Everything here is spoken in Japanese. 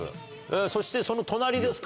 そしてその隣ですか。